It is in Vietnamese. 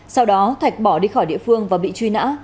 sau đó thạch bỏ đi khỏi địa phương và bị truy nã